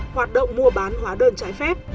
hoạt động mua bán hóa đơn trái phép